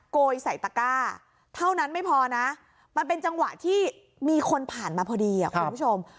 โกยใส่ตะก้าเท่านั้นไม่พอนะมันเป็นจังหวะที่มีคนผ่านมาพอดีคุณผู้ชม